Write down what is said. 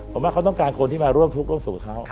ผมว่าเขาต้องการคนที่มาร่วมทุกข์ร่วมสู่เขา